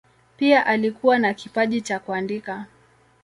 Pia alikuwa na kipaji cha kuandika.